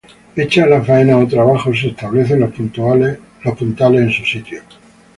Hecha la faena o trabajo se restablecen los puntales en su sitio.